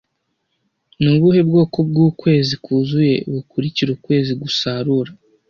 Ni ubuhe bwoko bw'ukwezi kuzuye bukurikira ukwezi gusarura